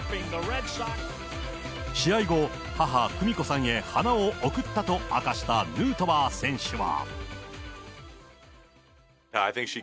試合後、母、久美子さんへ花を贈ったと明かしたヌートバー選手は。